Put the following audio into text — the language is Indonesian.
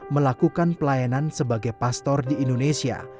melakukan pelayanan sebagai pastor di indonesia